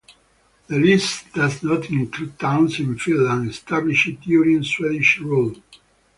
The list does not include towns in Finland established during Swedish rule.